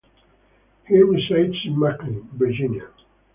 He resides in McLean, Virginia.